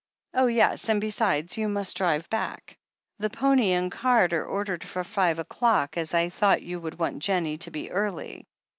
"Oh, yes, and, besides, you must drive back. The pony and cart are ordered for five o'clock, as I thought you would want Jennie to be early.